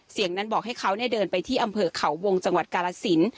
เสียงนั้นบอกให้เขาเดินไปที่อำเภอเขาวงจังหวัดกาลสิน